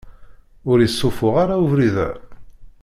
Ur issufuɣ ara ubrid-a.